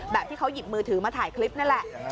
ที่เขาหยิบมือถือมาถ่ายคลิปนั่นแหละ